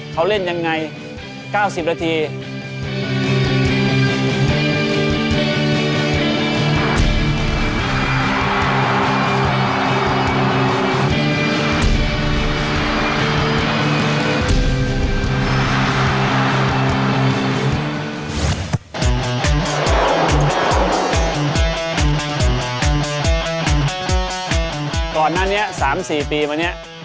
ก่อนนั้นเนี่ย๓๔ปีมาเนี่ย